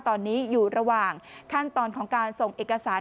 ตอนนี้อยู่ระหว่างขั้นตอนของการส่งเอกสาร